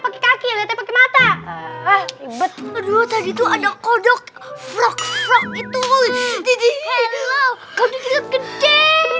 pakai kaki letak mata ah betul dua tadi tuh ada kodok frog frog itu gede gede